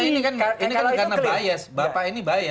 ini karena bias bapak ini bias